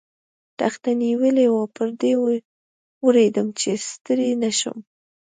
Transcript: تخته نیولې وه، پر دې وېرېدم، چې ستړی نه شم.